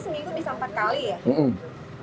bahkan tadi seminggu bisa empat kali ya